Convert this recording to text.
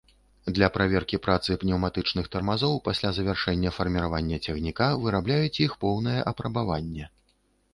Для праверкі працы пнеўматычных тармазоў пасля завяршэння фарміравання цягніка вырабляюць іх поўнае апрабаванне.